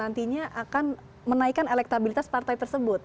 nantinya akan menaikkan elektabilitas partai tersebut